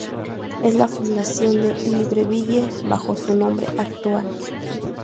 Es la fundación de Libreville bajo su nombre actual.